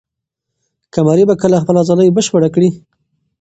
قمري به کله خپله ځالۍ بشپړه کړي؟